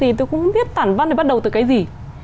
tôi cũng không biết tản văn này bắt đầu từ cái gì